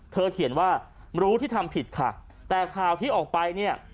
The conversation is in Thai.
เขียนว่ารู้ที่ทำผิดค่ะแต่ข่าวที่ออกไปเนี่ย